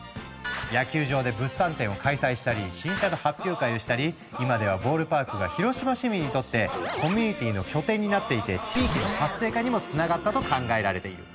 野球場で物産展を開催したり新車の発表会をしたり今ではボールパークが広島市民にとってコミュニティーの拠点になっていて地域の活性化にもつながったと考えられている。